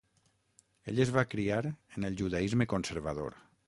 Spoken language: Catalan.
Ell es va criar en el judaisme conservador.